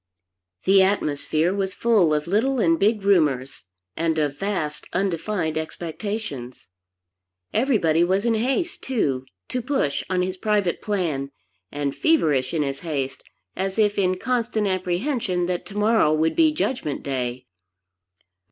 The atmosphere was full of little and big rumors and of vast, undefined expectations. Everybody was in haste, too, to push on his private plan, and feverish in his haste, as if in constant apprehension that tomorrow would be Judgment Day.